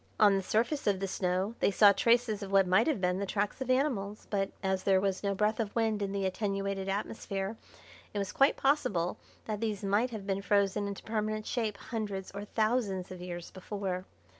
On the surface of the snow they saw traces of what might have been the tracks of animals, but, as there was no breath of wind in the attenuated atmosphere, it was quite possible that these might have been frozen into permanent shape hundreds or thousands of years before.